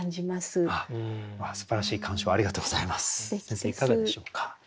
先生いかがでしょうか？